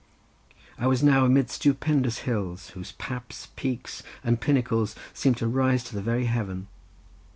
I was now amidst stupendous hills, whose paps, peaks, and pinnacles seemed to rise to the very heaven.